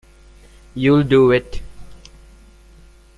You'll do it?